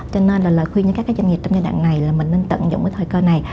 cho nên là lời khuyên cho các doanh nghiệp trong giai đoạn này là mình nên tận dụng cái thời cơ này